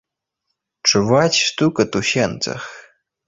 Чуваць стукат у сенцах.